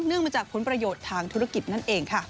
มาจากผลประโยชน์ทางธุรกิจนั่นเองค่ะ